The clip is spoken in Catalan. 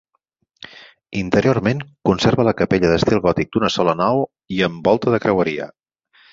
Interiorment, conserva la capella d'estil gòtic d'una sola nau i amb volta de creueria.